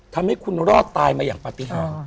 ทำให้คุณรอดตายมาอย่างปฏิหาร